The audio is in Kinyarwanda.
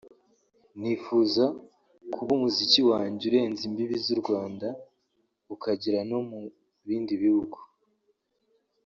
"Nifuza kuba umuziki wanjye urenze imbibi z'u Rwanda ukagera no mu bindi bihugu